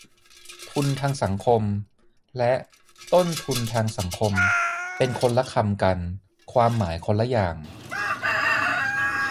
"ทุนทางสังคม" และ "ต้นทุนทางสังคม" เป็นคนละคำกัน ความหมายคนละอย่าง